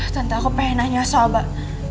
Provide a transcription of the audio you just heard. tentu aku pengen nanya soal mbak